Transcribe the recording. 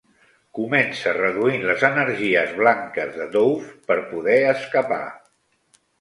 Comença reduint les energies blanques de Dove per poder escapar.